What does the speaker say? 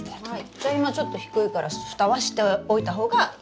じゃあ今ちょっと低いからふたはしておいた方がいいですね。